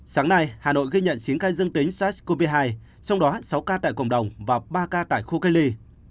sáng nay hà nội ghi nhận chín ca dương tính sars cov hai trong đó sáu ca tại cộng đồng và ba ca tại khu cách ly